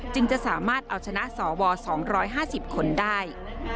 จะสามารถเอาชนะสว๒๕๐คนได้